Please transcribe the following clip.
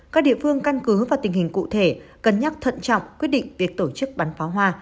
các địa phương căn cứ vào tình hình cụ thể cân nhắc thận trọng quyết định việc tổ chức bắn pháo hoa